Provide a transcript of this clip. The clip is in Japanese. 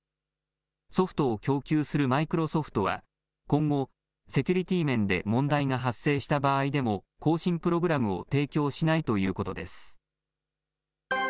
ソフトを供給するマイクロソフトは、今後、セキュリティー面で問題が発生した場合でも更新プログラムを提供しないということです。